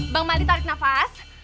bang mali tarik nafas